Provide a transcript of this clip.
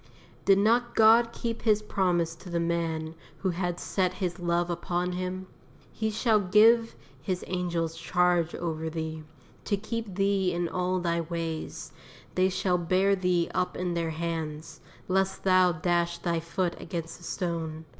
Did not God keep His promise to the man who had "set his love upon Him"? "_He shall give His angels charge over thee, to keep thee in all thy ways: they shall bear thee up in their hands, lest thou dash thy foot against a stone.